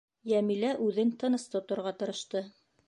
Йәмилә үҙен тыныс тоторға тырышты.